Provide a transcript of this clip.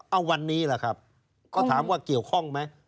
เอาวันนี้ล่ะครับก็ถามว่าเกี่ยวข้องไหม